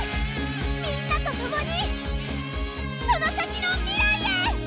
みんなと共にその先の未来へ！